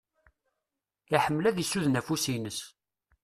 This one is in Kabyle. Iḥemmel ad isuden afus-ines.